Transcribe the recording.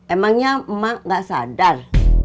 emangnya emak gak sadar